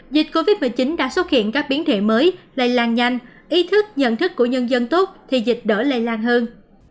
dịch covid một mươi chín đã xuất hiện các biến thể mới lây lan nhanh ý thức nhận thức của nhân dân tốt thì dịch đỡ lây lan hơn